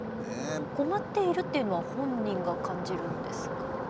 困っているっていうのは本人が感じるんですか？